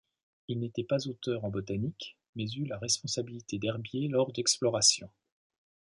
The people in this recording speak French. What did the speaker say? Il n'était pas auteur en botanique mais eut la responsabilité d'herbiers lors d'explorations.